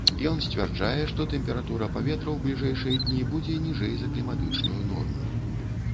Ён сцвярджае, што тэмпература паветра ў бліжэйшыя дні будзе ніжэй за кліматычную норму.